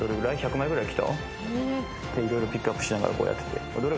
色々ピックアップしながらこうやってて。